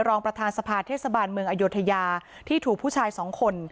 รองประธานสภาเทศบาลเมืองอโยธยาที่ถูกผู้ชายสองคน